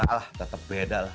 gak lah tetep beda lah